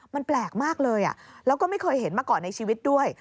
มันแปลกมากเลยแล้วก็ไม่เคยเห็นมาก่อนในชีวิตด้วย